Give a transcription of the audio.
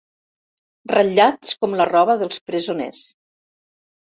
Ratllats com la roba dels presoners.